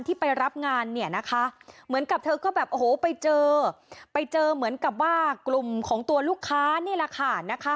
ไปรับงานเนี่ยนะคะเหมือนกับเธอก็แบบโอ้โหไปเจอไปเจอเหมือนกับว่ากลุ่มของตัวลูกค้านี่แหละค่ะนะคะ